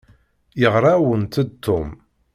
Yeɣra-awent-d Tom.